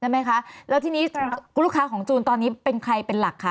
ไหมคะแล้วทีนี้ลูกค้าของจูนตอนนี้เป็นใครเป็นหลักคะ